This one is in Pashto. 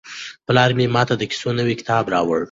پلار مې ماته د کیسو نوی کتاب راوړ.